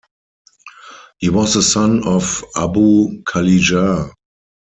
He was the son of Abu Kalijar.